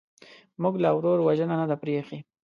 موږ لا ورور وژنه نه ده پرېښې.